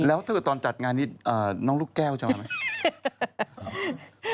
แล้วถ้าเกิดตอนจัดงานนี้น้องลูกแก้วจะมาไหม